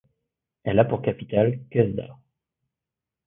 Elle a pour capitale Khuzdar.